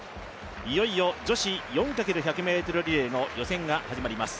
いよいよ女子４×１００ｍリレーの予選が始まります。